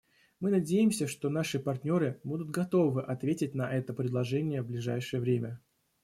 Мы надеемся, что наши партнеры будут готовы ответить на это предложение в ближайшее время.